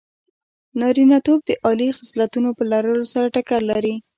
نارینتوب د عالي خصلتونو په لرلو سره ټکر لري.